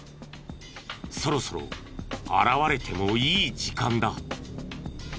そろそろ現れてもいい時間だ。